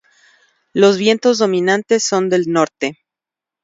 Los vientos dominantes son del norte.